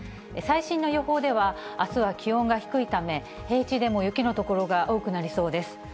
最新の予報では、あすは気温が低いため、平地でも雪の所が多くなりそうです。